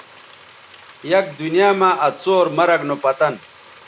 یک دنیاں مہ آ څور مرگ نو پتن